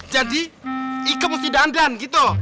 jadi ika mesti dandan gitu